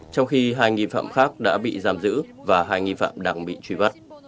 trong khi hai nghi phạm khác đã bị giam giữ và hai nghi phạm đang bị truy bắt